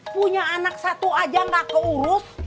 punya anak satu aja gak keurus